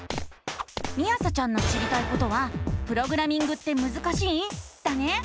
みあさちゃんの知りたいことは「プログラミングってむずかしい⁉」だね！